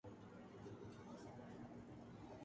یہ شہر پاک ایران سرحد کے قریب واقع ہے